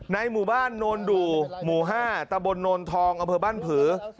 ในหมู่บ้านโนลดูหมู่ห้าตะบลโนลทองอบ้านผือ